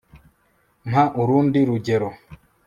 mpa urundi rugero